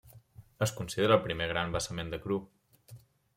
Es considera el primer gran vessament de cru.